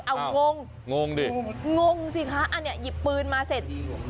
เอางงงงดิงงสิคะอันนี้หยิบปืนมาเสร็จ